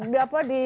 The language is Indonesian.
di apa di